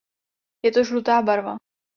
Je to „žlutá“ barva.